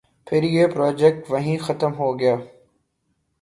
پھر یہ پراجیکٹ وہیں ختم ہو گیا۔